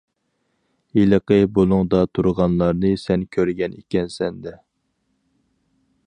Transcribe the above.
ھېلىقى بۇلۇڭدا تۇرغانلارنى سەن كۆرگەن ئىكەنسەن- دە!